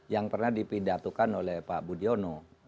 yang pernah dipidatukan oleh pak budiono